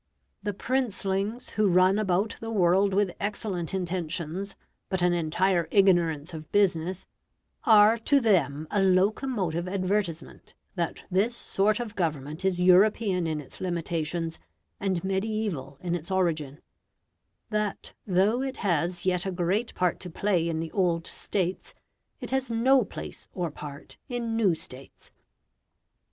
The princelings who run about the world with excellent intentions, but an entire ignorance of business, are to them a locomotive advertisement that this sort of government is European in its limitations and mediaeval in its origin; that though it has yet a great part to play in the old States, it has no place or part in new States.